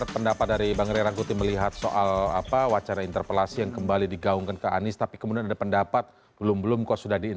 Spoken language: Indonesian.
penutupan jalan jati baru